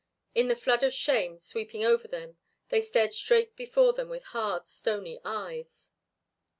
In the flood of shame sweeping over them they stared straight before them with hard, stony eyes.